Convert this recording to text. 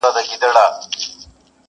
دعوه د سړیتوب دي لا مشروطه بولم ځکه,